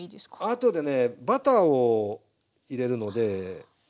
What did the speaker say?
後でねバターを入れるので。